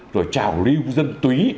rồi trào lưu dân túy